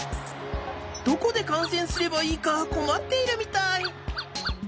どこでかんせんすればいいかこまっているみたい。